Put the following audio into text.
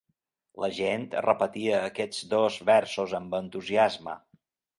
La gent repetia aquests dos versos amb entusiasme.